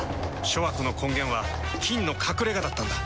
諸悪の根源は「菌の隠れ家」だったんだ。